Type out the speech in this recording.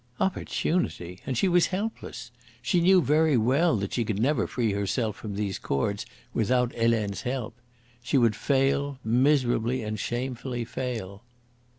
Opportunity! And she was helpless. She knew very well that she could never free herself from these cords without Helene's help. She would fail, miserably and shamefully fail.